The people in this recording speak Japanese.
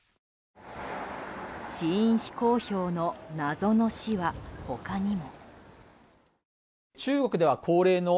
死因非公表の謎の死は他にも。